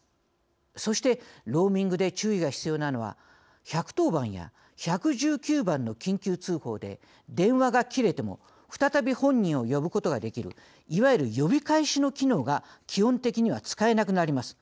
そしてローミングで注意が必要なのは１１０番や１１９番の緊急通報で電話が切れても再び本人を呼ぶことができるいわゆる呼び返しの機能が基本的には使えなくなります。